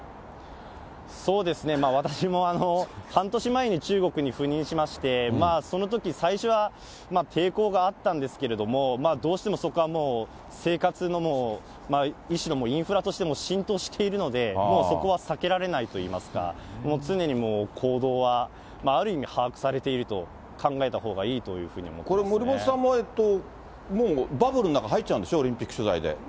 私も半年前に中国に赴任しまして、そのとき、最初は抵抗があったんですけれども、どうしてもそこは生活の一種のインフラとしても浸透しているので、もうそこは避けられないといいますか、常に行動はある意味把握されていると考えたほうがいいというふうこれ、森本さんももうバブルの中に入っちゃうんでしょう、オリンピック取材で。